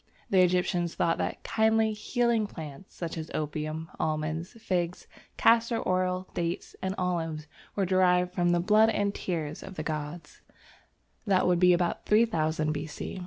The Egyptians thought that "kindly, healing plants," such as opium, almonds, figs, castor oil, dates, and olives, were derived from the "blood and tears of the gods"; that would be about 3000 B.C.